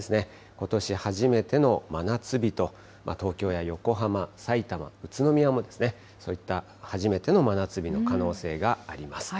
ことし初めての真夏日と、東京や横浜、さいたま、宇都宮もですね、そういった初めての真夏日の可能性があります。